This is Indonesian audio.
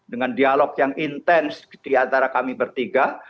dengan dialog yang intens diantara kami bertiga